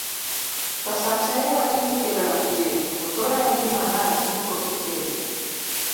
to sate iwacho ni ikele mapiyo to koro en gima rach ni pok ikele